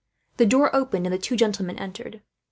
The door opened, and the two gentlemen entered.